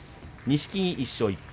錦木は１勝１敗。